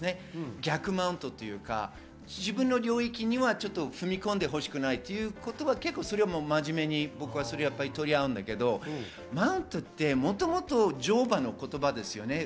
逆マウントというか、自分の領域には踏み込んでほしくないということは僕は真面目に取り合うんだけれども、マウントってもともとは乗馬の言葉ですよね。